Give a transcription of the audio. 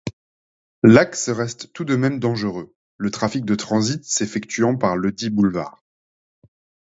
L’axe reste tout de même dangereux, le trafic de transit s’effectuant par ledit boulevard.